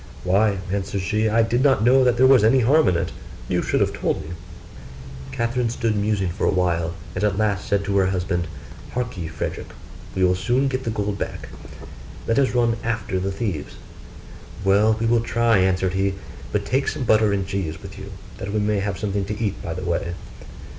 'Why,' answered she, 'I did not know there was any harm in it; you should have told me.' Catherine stood musing for a while, and at last said to her husband, 'Hark ye, Frederick, we will soon get the gold back: let us run after the thieves.' 'Well, we will try,' answered he; 'but take some butter and cheese with you, that we may have something to eat by the way.